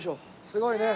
すごいね。